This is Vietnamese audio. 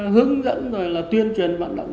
hướng dẫn rồi là tuyên truyền vận động